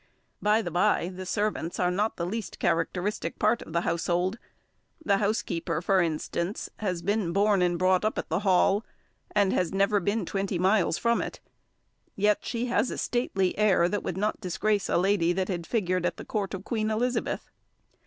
By the by, the servants are not the least characteristic part of the household; the housekeeper, for instance, has been born and brought up at the Hall, and has never been twenty miles from it; yet she has a stately air that would not disgrace a lady that had figured at the court of Queen Elizabeth.